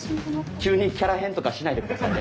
急にキャラ変とかしないで下さいね。